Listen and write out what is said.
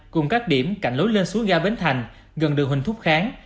cùng các điểm cạnh lối lên xuống ga bến thành gần đường huỳnh thúc kháng